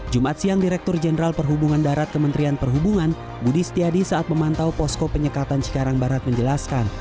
jumat siang direktur jenderal perhubungan darat kementerian perhubungan budi setiadi saat memantau posko penyekatan cikarang barat menjelaskan